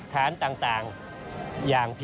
ส่วนต่างกระโบนการ